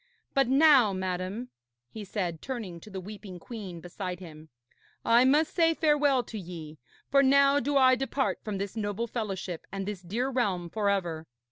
But now, madam,' he said, turning to the weeping queen beside him, 'I must say farewell to ye, for now do I depart from this noble fellowship and this dear realm for ever.